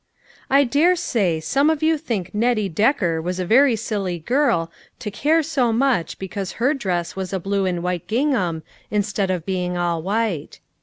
T DARE say some of yon think Nettie Decker was a very silly girl to care so much because her dress was a blue and white gingham instead of being all white.